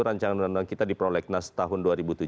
rancangan undang undang kita di prolegnas tahun dua ribu tujuh belas